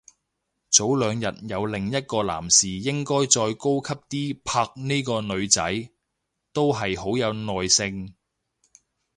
早兩日有另一個男士應該再高級啲拍呢個女仔，都係好有耐性